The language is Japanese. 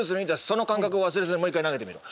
その感覚を忘れずもう一回投げてみろ。